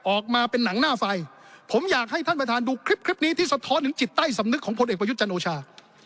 ออกมาเป็นหนังหน้าไฟผมอยากให้ท่านประธานดูคลิปคลิปนี้ที่สะท้อนถึงจิตใต้สำนึกของพลเอกประยุทธ์จันโอชา